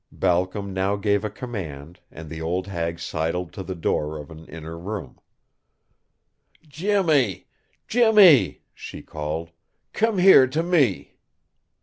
Balcom now gave a command and the old hag sidled to the door of an inner room. "Jimmy! Jimmy!" she called. "Come here to me."